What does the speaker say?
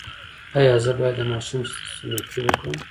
ایا زه باید د ماشوم سنتي وکړم؟